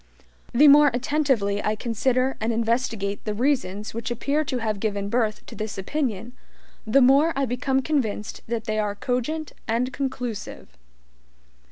The more attentively I consider and investigate the reasons which appear to have given birth to this opinion, the more I become convinced that they are cogent and conclusive.